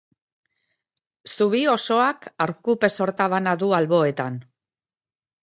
Zubi osoak arkupe sorta bana du alboetan.